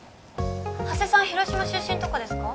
羽瀬さん広島出身とかですか？